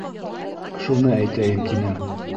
Шуны әйтәйем тинем.